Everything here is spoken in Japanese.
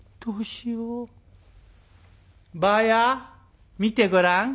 「ばあや見てごらん。